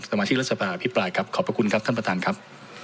มาที่รัฐสภาอภิปรายครับขอบพระคุณครับท่านประธานครับ